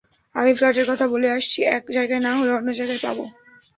আমি ফ্ল্যাটের কথা বলে আসছি, এক জায়গায় না হলে, অন্য জায়গায় পাবো।